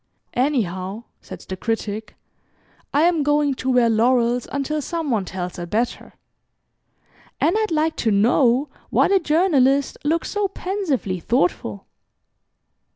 "Anyhow," said the Critic, "I am going to wear laurels until some one tells a better and I'd like to know why the Journalist looks so pensively thoughtful?"